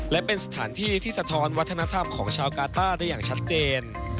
และเป็นสถานที่ที่สะท้อนวัฒนธรรมของชาวกาต้าได้อย่างชัดเจน